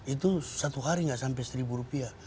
itu satu hari nggak sampai seribu rupiah